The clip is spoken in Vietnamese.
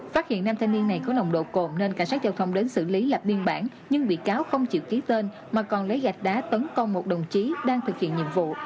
phát hiện nam thanh niên này có nồng độ cồn nên cảnh sát giao thông đến xử lý lập biên bản nhưng bị cáo không chịu ký tên mà còn lấy gạch đá tấn công một đồng chí đang thực hiện nhiệm vụ